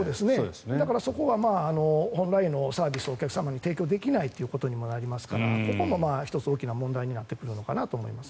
そこは本来のサービスをお客様に提供できないことにもなりますからここも１つ大きな問題になってくると思います。